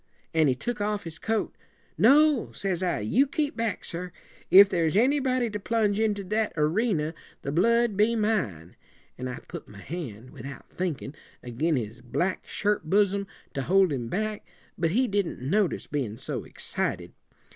An' he took off his coat. 'No,' says I, 'you keep back, sir. If there's anybody to plunge into that erena, the blood be mine;' an' I put my hand, without thinkin', ag'in his black shirt bosom, to hold him back; but he didn't notice, bein' so excited.